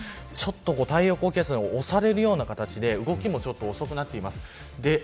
太平洋高気圧に押される形で動きも遅くなっています。